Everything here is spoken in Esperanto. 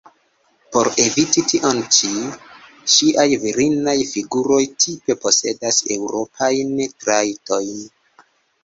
Por eviti tion ĉi, ŝiaj virinaj figuroj tipe posedas eŭropajn trajtojn.